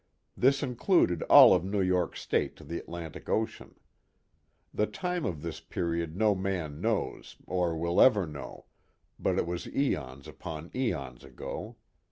This included all of New York State to the Atlantic Ocean. The time of this period no man knows, or will ever know; but it was eons upon eons ago.